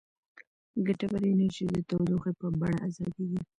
ګټوره انرژي د تودوخې په بڼه ازادیږي.